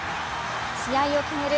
試合を決める